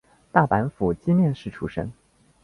大阪府箕面市出生。